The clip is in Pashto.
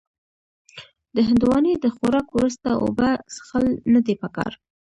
د هندوانې د خوراک وروسته اوبه څښل نه دي پکار.